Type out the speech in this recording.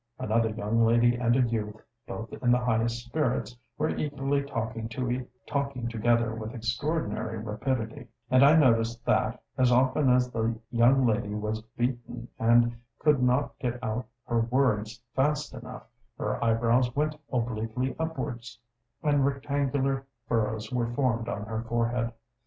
Another young lady and a youth, both in the highest spirits, were eagerly talking together with extraordinary rapidity; and I noticed that, as often as the young lady was beaten, and could not get out her words fast enough, her eyebrows went obliquely upwards, and rectangular furrows were formed on her forehead.